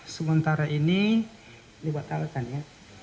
sementara ini dibatalkan ya